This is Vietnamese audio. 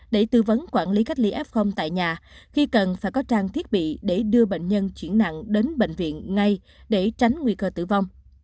để tư vấn quản lý cách ly f tại nhà khi cần phải có trang thiết bị để đưa bệnh nhân chuyển nặng đến bệnh viện ngay để tránh nguy cơ tử vong